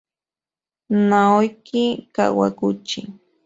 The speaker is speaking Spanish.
Naoki Kawaguchi